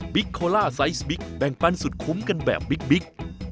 โคล่าไซส์บิ๊กแบ่งปันสุดคุ้มกันแบบบิ๊ก